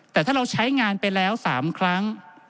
แต่ถ้าเราใช้งานไปแล้ว๓ครั้ง